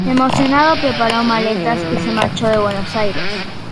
Emocionado preparó maletas y se marchó de Buenos Aires.